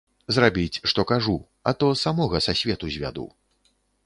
Зрабіць, што кажу, а то самога са свету звяду.